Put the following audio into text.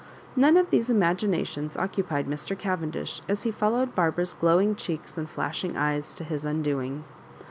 None of these imaginations occupied Mr. Cavendish as he followed Barbara's glowing cheeks and flashing eyes to his undoing.